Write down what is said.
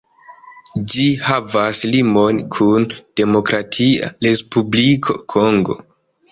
Ĝi havas limon kun Demokratia Respubliko Kongo.